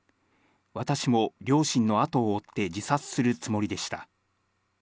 私も両親の後を追って自殺するつもりでした。